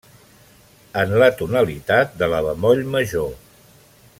En la tonalitat de la bemoll major.